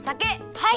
はい。